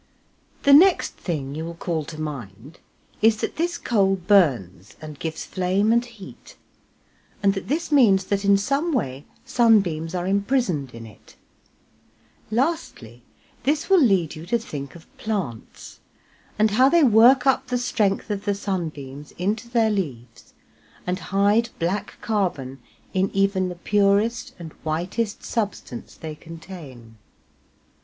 The next thing you will call to mind is that this coal burns and gives flame and heat, and that this means that in some way sunbeams are imprisoned in it; lastly, this will lead you to think of plants, and how they work up the strength of the sunbeams into their leaves, and hide black carbon in even the purest and whitest substance they contain.